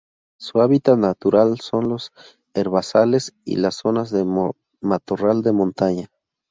Su hábitat natural son los herbazales y las zonas de matorral de montaña.